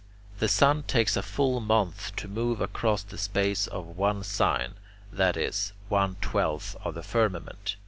The sun takes a full month to move across the space of one sign, that is, one twelfth of the firmament.